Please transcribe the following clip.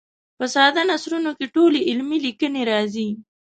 په ساده نثرونو کې ټولې علمي لیکنې راځي.